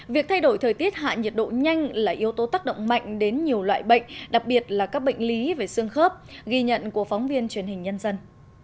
việc thay đổi thời tiết hạ nhiệt độ nhanh là yếu tố tác động mạnh đến nhiều loại bệnh đặc biệt là các bệnh lý về xương khớp ghi nhận của phóng viên truyền hình nhân dân